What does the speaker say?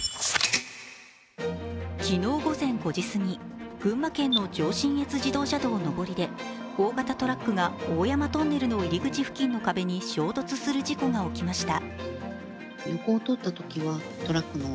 昨日午前５時過ぎ群馬県の上信越自動車道上りで大型トラックが大山トンネルの入り口付近の壁に衝突する事故が起きました。